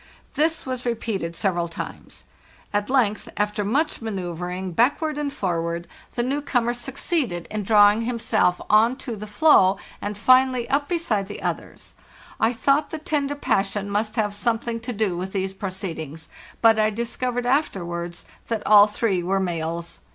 This was repeated sev eral times. At length, after much manoeuvring back ward and forward, the new comer succeeded in drawing himself on to the floe, and finally up beside the others. I thought the tender passion must have something to do with these proceedings; but I discovered afterwards that all three were males.